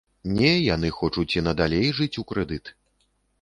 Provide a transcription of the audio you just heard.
Не, яны хочуць і надалей жыць у крэдыт.